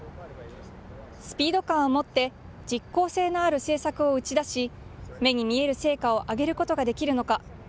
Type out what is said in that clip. スピード感をもって実効性のある政策を打ち出し、目に見える成果を上げることができるのか。